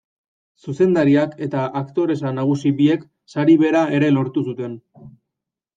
Zuzendariak eta aktoresa nagusi biek sari bera ere lortu zuten.